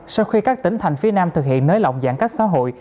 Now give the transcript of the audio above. sau khi các tỉnh thành phía nam thực hiện nới lỏng giãn cách xã hội